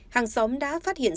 hàng xóm đã phát hiện